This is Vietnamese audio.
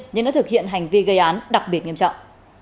nhưng đã thực hiện hành vi gây án đặc biệt nghiêm trọng